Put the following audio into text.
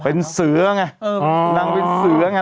เป็นเสือไงนางเป็นเสือไง